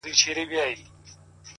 مخامخ وتراشل سوي بت ته گوري،